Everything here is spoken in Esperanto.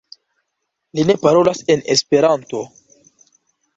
Li ne parolas en Esperanto.